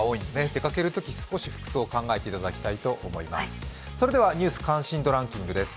出かけるとき、少し服装を考えていただきたいと思います。